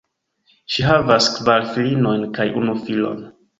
Ŝi havas kvar filinojn kaj unu filon.